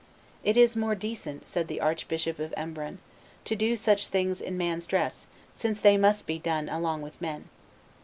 "It is more decent," said the Archbishop of Embrun, "to do such things in man's dress, since they must be done along with men."